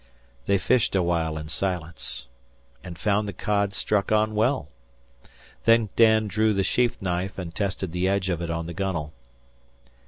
They fished a while in silence, and found the cod struck on well. Then Dan drew the sheath knife and tested the edge of it on the gunwale.